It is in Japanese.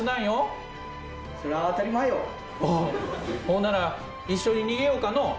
ほんなら一緒に逃げようかのう。